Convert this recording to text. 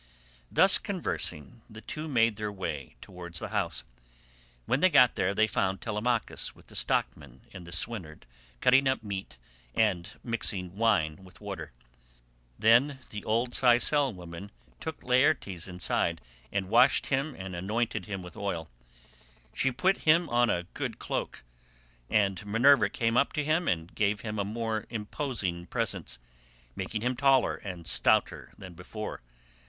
Thus conversing the two made their way towards the house. When they got there they found Telemachus with the stockman and the swineherd cutting up meat and mixing wine with water. Then the old Sicel woman took Laertes inside and washed him and anointed him with oil. She put him on a good cloak, and Minerva came up to him and gave him a more imposing presence, making him taller and stouter than before.